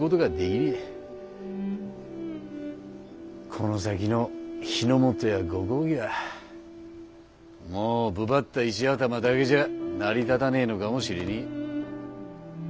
この先の日の本やご公儀はもう武張った石頭だけじゃ成り立たねぇのかもしれねぇ。